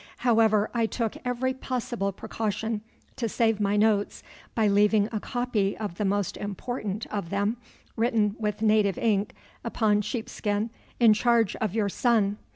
However, I took every possible precaution to save my notes by leaving a copy of the most important of them written with native ink upon sheepskin in charge of your son.